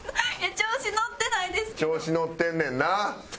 調子乗ってんねんな。